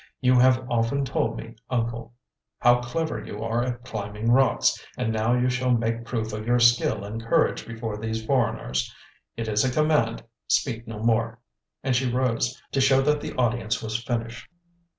You have often told me, my uncle, how clever you are at climbing rocks, and now you shall make proof of your skill and courage before these foreigners. It is a command, speak no more," and she rose, to show that the audience was finished.